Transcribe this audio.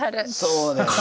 そうです。